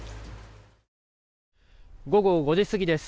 午後５時過ぎです。